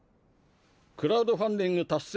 クラウドファンディングたっせい